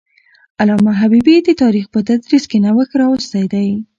علامه حبيبي د تاریخ په تدریس کې نوښت راوستی دی.